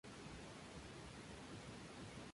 Hoy es bastante raro pues su uso quedó como facultativo.